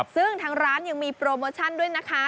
ซึ่งทางร้านยังมีโปรโมชั่นด้วยนะคะ